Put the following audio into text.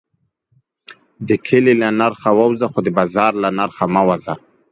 دا نرخ په نه. ووځه خو دا کور کلي مه ووځه